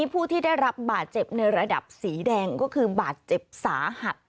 ผู้ที่ได้รับบาดเจ็บในระดับสีแดงก็คือบาดเจ็บสาหัส